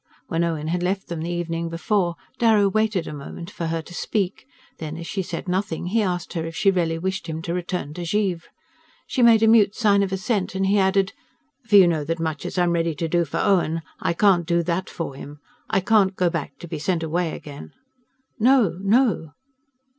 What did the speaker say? When Owen had left them the evening before, Darrow waited a moment for her to speak; then, as she said nothing, he asked her if she really wished him to return to Givre. She made a mute sign of assent, and he added: "For you know that, much as I'm ready to do for Owen, I can't do that for him I can't go back to be sent away again." "No no!"